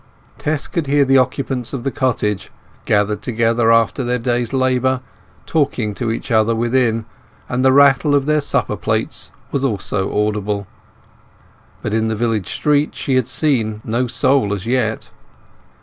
Tess could hear the occupants of the cottage—gathered together after their day's labour—talking to each other within, and the rattle of their supper plates was also audible. But in the village street she had seen no soul as yet.